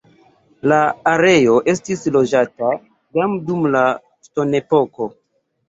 La areo estis loĝata jam dum la ŝtonepoko.